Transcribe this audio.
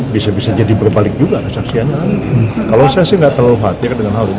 bisa bisa jadi berbalik juga kesaksiannya kalau saya sih nggak terlalu khawatir dengan hal itu